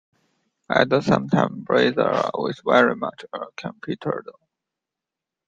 At the same time, Burroughs was very much a competitor.